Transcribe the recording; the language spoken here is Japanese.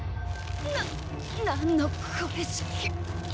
な何のこれしき。